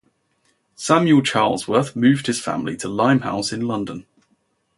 Samuel Charlesworth, moved his family to Limehouse in London.